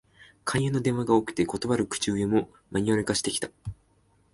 勧誘の電話が多くて、断る口上もマニュアル化してきた